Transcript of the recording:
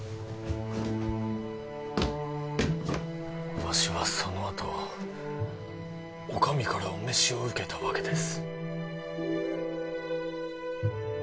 わしはそのあとお上からお召しを受けたわけです